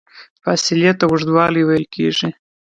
فاصلې ته اوږدوالی ویل کېږي.